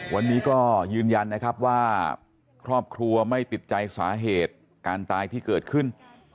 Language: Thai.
วันนี้ก็ยืนยันนะครับว่าครอบครัวไม่ติดใจสาเหตุการตายที่เกิดขึ้น